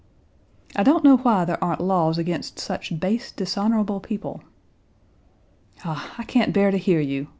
"I don't know why there aren't laws against such base, dishonorable people." "Ah, I can't bear to hear you!"